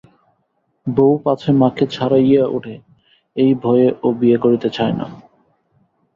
বউ পাছে মাকে ছাড়াইয়া উঠে, এই ভয়ে ও বিয়ে করিতে চায় না।